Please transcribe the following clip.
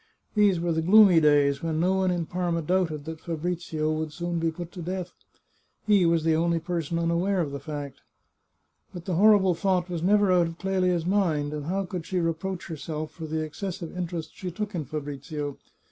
These were the gloomy days when no one in Parma doubted that Fabrizio would soon be put to death. He was the only person unaware of the fact. But the hor rible thought was never out of Clelia's mind, and how could she reproach herself for the excessive interest she took in Fabrizio